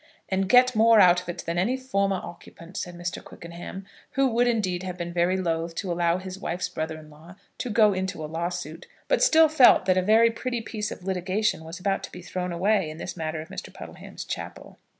"And get more out of it than any former occupant," said Mr. Quickenham, who would indeed have been very loth to allow his wife's brother in law to go into a law suit, but still felt that a very pretty piece of litigation was about to be thrown away in this matter of Mr. Puddleham's chapel.